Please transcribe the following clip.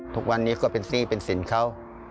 ทุกวันนี้ก็เป็นหนี้เป็นสินเขา